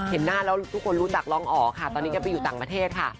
เห็นหน้าแล้วทุกคนรู้ต่ักรงอเข้าไปอยู่ต่างประเทศค่ะ